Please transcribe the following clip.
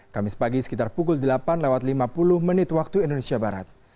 kamis pagi sekitar pukul delapan lewat lima puluh menit waktu indonesia barat